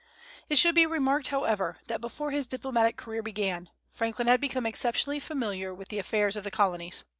It should be remarked, however, that before his diplomatic career began, Franklin had become exceptionally familiar with the affairs of the Colonies.